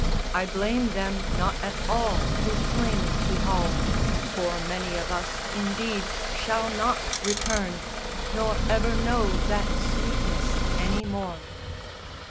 I blame them not at all who cling to home, For many of us, indeed, shall not return, Nor ever know that sweetness any more."